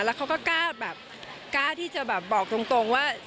แล้วเขาก็กล้าที่จะบอกตรงว่า